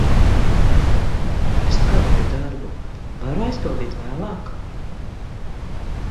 Es kavēju darbu. Varu aizpildīt vēlāk?